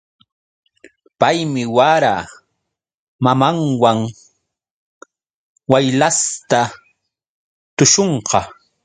Paymi wara mamanwan waylasta tuśhunqa.